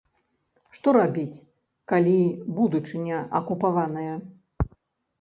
Што рабіць, калі будучыня акупаваная?